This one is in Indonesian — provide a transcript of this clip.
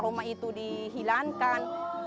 trauma itu dihilangkan